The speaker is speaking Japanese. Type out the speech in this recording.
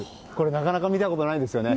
なかなか見たことないですよね。